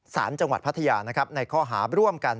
สารจังหวัดพัทยาในข้อหาร่วมกัน